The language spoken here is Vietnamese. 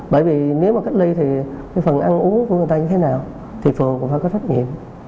bởi vì nếu mà cách ly thì cái phần ăn uống của người ta như thế nào thì phường cũng phải có trách nhiệm